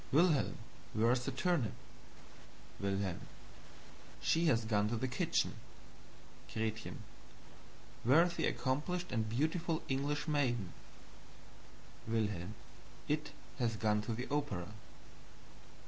Wilhelm, where is the turnip? "Wilhelm. She has gone to the kitchen. "Gretchen. Where is the accomplished and beautiful English maiden? "Wilhelm. It has gone to the opera."